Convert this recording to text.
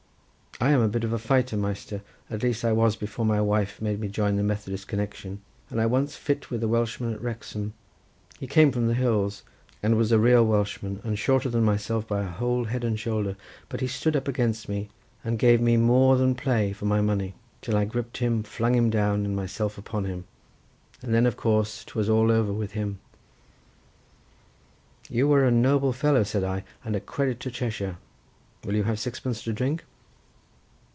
I am a bit of a fighter, Measter, at least I was before my wife made me join the Methodist connexion, and I once fit with a Welshman at Wrexham, he came from the hills, and was a real Welshman, and shorter than myself by a whole head and shoulder, but he stood up against me, and gave me more than play for my money, till I gripped him, flung him down and myself upon him, and then of course 'twas all over with him." "You are a noble fellow," said I, "and a credit to Cheshire. Will you have sixpence to drink?"